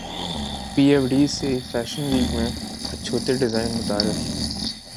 پی F D C fashion week میں اچھوتے design متعارف